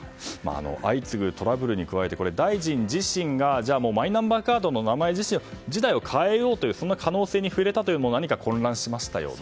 相次ぐトラブルに加えて大臣自身がマイナンバーカードの名前自体を変えようというそんな可能性に触れたことも何か混乱しましたよね。